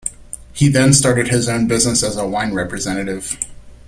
He then started his own business as a wine representative.